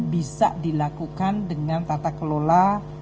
bisa dilakukan dengan tata kelola